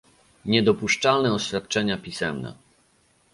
Niedopuszczalne oświadczenia pisemne